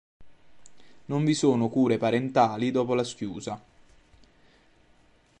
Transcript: Non vi sono cure parentali dopo la schiusa.